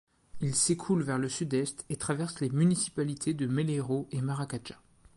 Il s'écoule vers le sud-est et traverse les municipalités de Meleiro et Maracajá.